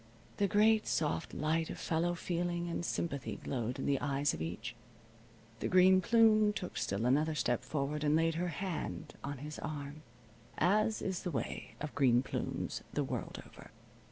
The great, soft light of fellow feeling and sympathy glowed in the eyes of each. The Green Plume took still another step forward and laid her hand on his arm (as is the way of Green Plumes the world over).